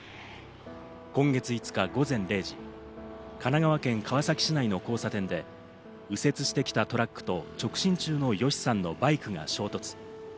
今月５日、午前０時、神奈川県川崎市内の交差点で右折してきたトラックと直進中のＹＯＳＨＩさんのバイクが衝突。